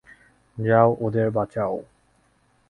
যাও, ওদের বাঁচাও।